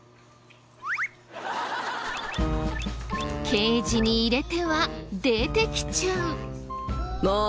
ケージに入れては出てきちゃう。